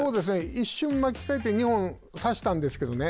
一瞬巻き替えて２本差したんですけどね。